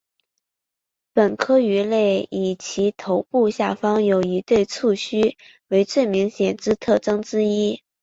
本科鱼类以其头部下方有一对触须为最明显之特征之一。